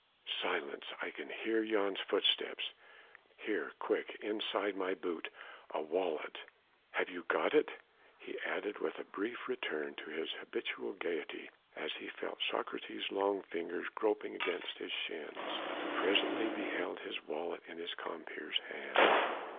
"Silence I can hear Jan's footsteps. Here! quick! inside my boot ... a wallet? Have you got it?" he added with a brief return to his habitual gaiety as he felt Socrates' long fingers groping against his shins, and presently beheld his wallet in his compeer's hand.